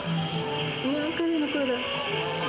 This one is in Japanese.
いやー、彼の声だ。